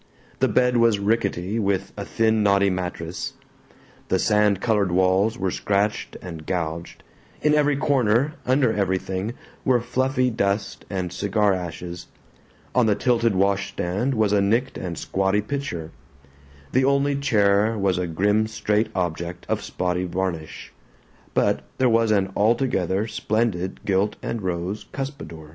The bed was rickety, with a thin knotty mattress; the sand colored walls were scratched and gouged; in every corner, under everything, were fluffy dust and cigar ashes; on the tilted wash stand was a nicked and squatty pitcher; the only chair was a grim straight object of spotty varnish; but there was an altogether splendid gilt and rose cuspidor.